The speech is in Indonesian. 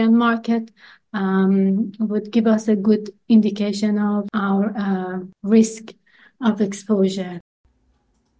akan memberi kita indikasi yang baik tentang risiko eksposur kita